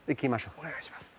お願いします。